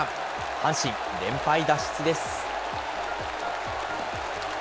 阪神、連敗脱出です。